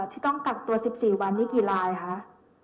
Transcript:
ที่ต้องกักตัว๑๔วันนี้กี่รายคะ